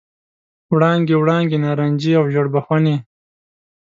وړانګې، وړانګې نارنجي او ژړ بخونې،